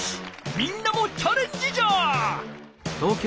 みんなもチャレンジじゃ！